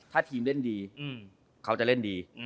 ถ้าทีมเล่นดีเขาจะเล่นดี